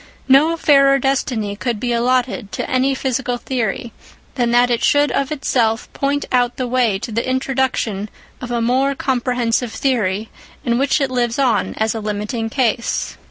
No fairer destiny could be allotted to any physical theory, than that it should of itself point out the way to the introduction of a more comprehensive theory, in which it lives on as a limiting case.